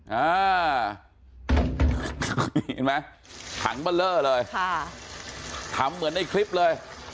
เห็นไหมถังเบลอเลยค่ะทำเหมือนในคลิปเลย